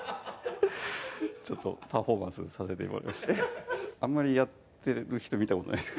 ちょっとパフォーマンスさせてもらいましたあんまりやってる人見たことないです